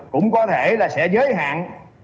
cũng có thể là sẽ giới hạn